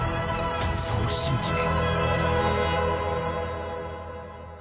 そう信じて。